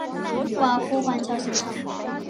瓦夫环礁形成。